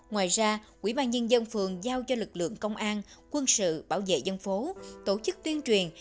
ngoài ra quỹ ban nhân dân phường giao cho lực lượng công an quân sự bảo vệ dân phố tổ chức tuyên truyền